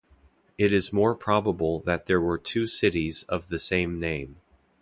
It is more probable that there were two cities of the same name.